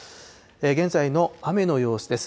現在の雨の様子です。